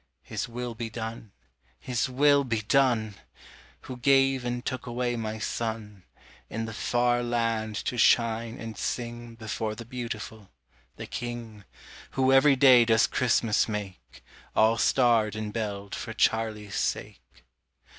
His will be done, His will be done! Who gave and took away my son, In "the far land" to shine and sing Before the Beautiful, the King, Who every day does Christmas make, All starred and belled for Charlie's sake.